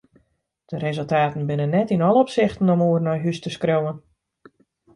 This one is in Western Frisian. De resultaten binne net yn alle opsichten om oer nei hús te skriuwen.